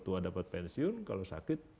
tua dapat pensiun kalau sakit